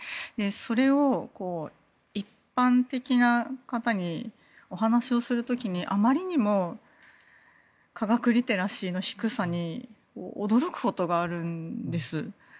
それを一般的な方にお話をする時にあまりにも科学リテラシーの低さに驚くことがあるんです。